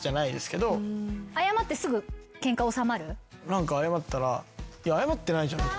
何か謝ったら「いや謝ってないじゃん」